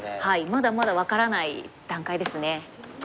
まだまだ分からない段階ですね。